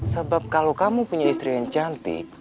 sebab kalau kamu punya istri yang cantik